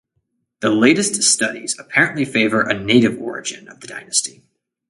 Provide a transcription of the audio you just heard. The latest studies apparently favour a native origin of the dynasty.